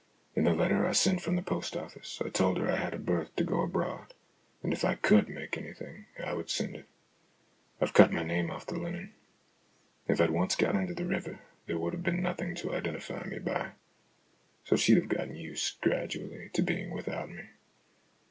In the letter 1 sent from the post office, I told her I had a berth to go abroad, and if I could make anything I would send it. I've cut my name off the linen. If I'd once got into the river, there would have been nothing to identify me by. So she'd have got used gradually to being without me.